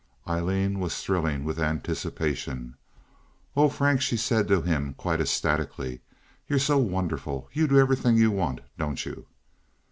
Aileen was thrilling with anticipation. "Oh, Frank," she said to him, quite ecstatically, "you're so wonderful! You do everything you want, don't you?"